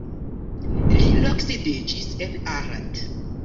Li loksidiĝis en Arad.